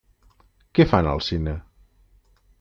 Què fan al cine?